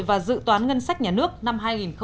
và dự toán ngân sách nhà nước năm hai nghìn một mươi chín